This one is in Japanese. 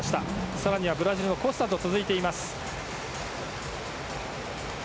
更にはブラジルのコスタと続いています。